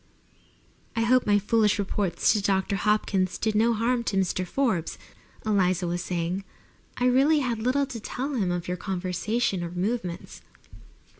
"I hope my foolish reports to Mr. Hopkins did no harm to Mr. Forbes," Eliza was saying. "I really had little to tell him of your conversation or movements."